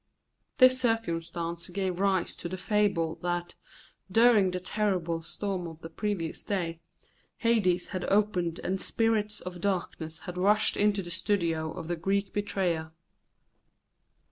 This circumstance gave rise to the fable that, during the terrible storm of the previous clay, Hades had opened and spirits of darkness had rushed into the studio of the Greek betrayer.